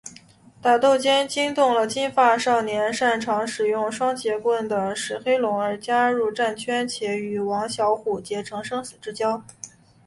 打斗间惊动了金发少年擅长使用双节棍的石黑龙而加入战圈且与王小虎结成生死之交。